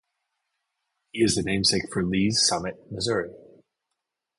He is the namesake for Lee's Summit, Missouri.